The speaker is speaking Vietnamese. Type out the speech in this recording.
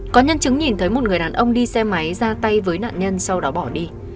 có nhân chứng nhìn thấy một người đàn ông đi xe máy ra tay với nạn nhân sau đó bỏ đi